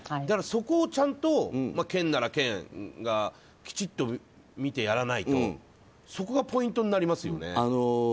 だからそこをちゃんと県なら県が見てやらないとそこがポイントになりますよね。